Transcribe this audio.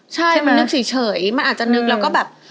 ใช่มันนึกเฉยมันอาจจะนึกแล้วก็แบบ